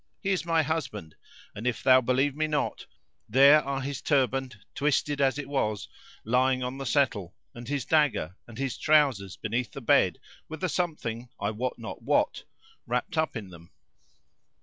He is my husband and if thou believe me not, there are his turband, twisted as it was, lying on the settle and his dagger and his trousers beneath the bed with a something, I wot not what, wrapped up in them."